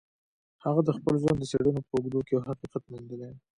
هغه د خپل ژوند د څېړنو په اوږدو کې يو حقيقت موندلی.